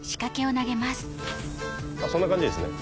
そんな感じですね